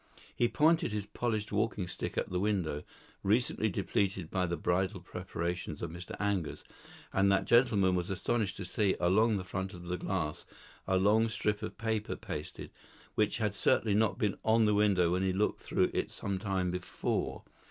He pointed his polished walking stick at the window, recently depleted by the bridal preparations of Mr. Angus; and that gentleman was astonished to see along the front of the glass a long strip of paper pasted, which had certainly not been on the window when he looked through it some time before.